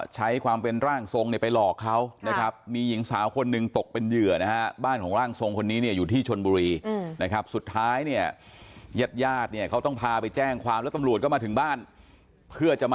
ใช้ความเป็นร่างทรงไปหลอกเขามียิงสาวคนหนึ่งตกเป็นเหยื่อ